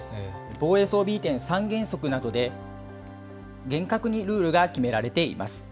防衛装備移転三原則などで、厳格にルールが決められています。